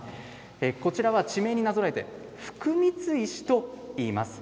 こちらは地名になぞらえて福光石と言います。